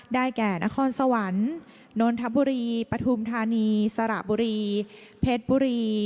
แก่นครสวรรค์นนทบุรีปฐุมธานีสระบุรีเพชรบุรี